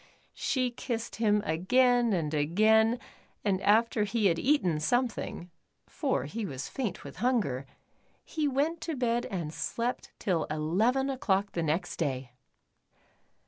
She kissed him again and again and after he had eaten something, for he was faint with hun ger, he went to bed and slept till eleven o'clock the next day.